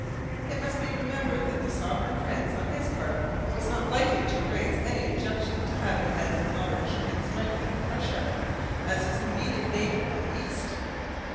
It must be remembered that the Sovereign Prince on his part was not likely to raise any objection to having an enlarged and strengthened Prussia as his immediate neighbour on the east.